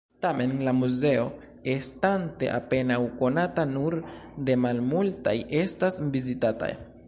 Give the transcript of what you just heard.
Tamen la muzeo, estante apenaŭ konata, nur de malmultaj estas vizitata.